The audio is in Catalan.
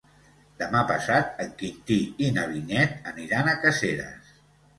Demà passat en Quintí i na Vinyet aniran a Caseres.